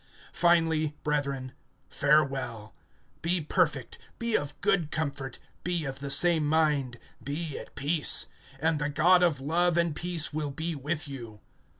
(11)Finally, brethren, farewell. Be perfect, be of good comfort, be of the same mind, be at peace; and the God of love and peace will be with you.